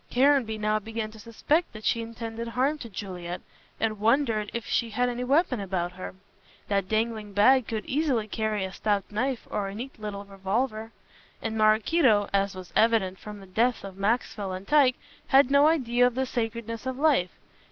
Caranby now began to suspect that she intended harm to Juliet, and wondered if she had any weapon about her. That dangling bag could easily carry a stout knife or a neat little revolver. And Maraquito, as was evident from the deaths of Maxwell and Tyke, had no idea of the sacredness of life.